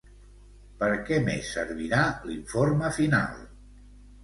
Per què més servirà l'informe final?